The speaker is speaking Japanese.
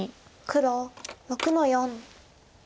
黒６の四。